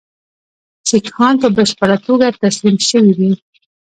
سیکهان په بشپړه توګه تسلیم شوي وي.